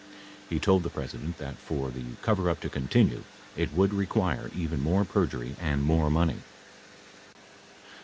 He told the President that, for the coverup to continue, it would require even more perjury and more money.